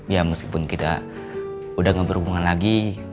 ya meskipun kita udah gak berhubungan lagi